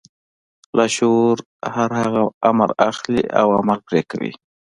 لاشعور هر هغه امر اخلي او عمل پرې کوي.